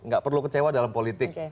gak perlu kecewa dalam politik